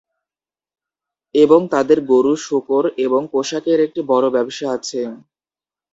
এবং তাদের গরু, শূকর এবং পোশাকের একটি বড় ব্যবসা আছে।